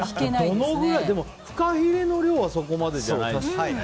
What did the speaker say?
でもフカヒレの量はそこまでじゃないですよね。